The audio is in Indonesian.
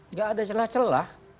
nggak ada celah celah